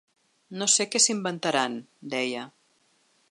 “No sé què s’inventaran”, deia.